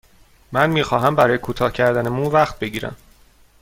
من می خواهم برای کوتاه کردن مو وقت بگیرم.